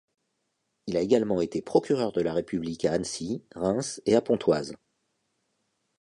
Il a également été procureur de la République à Annecy, Reims et à Pontoise.